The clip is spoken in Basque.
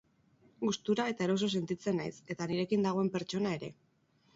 Gustura eta eroso sentitzen naiz, eta nirekin dagoen pertsona ere.